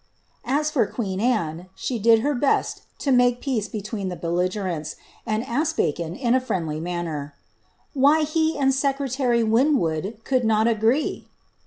As for queen Anne, she did her best to make peace between the bd > ligerents, and asked Bacon, in a friendly manner, ^ Why he and secretary Winwood could not agree